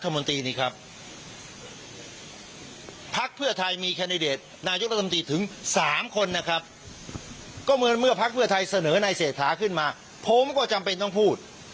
เมื่อนายเศรษฐาขึ้นมาผมก็จำเป็นต้องพูด